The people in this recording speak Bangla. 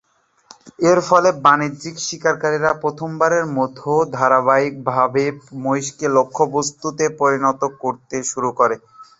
এর ফলে বাণিজ্যিক শিকারিরা প্রথমবারের মতো ধারাবাহিকভাবে মহিষকে লক্ষ্যবস্তুে পরিণত করতে শুরু করে।